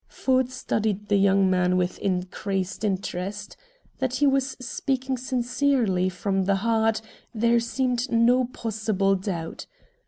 Ford studied the young man with increased interest. That he was speaking sincerely, from the heart, there seemed no possible doubt.